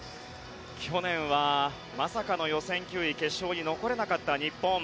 去年はまさかの予選９位決勝に残れなかった日本。